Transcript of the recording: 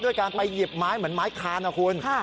การไปหยิบไม้เหมือนไม้คานนะคุณ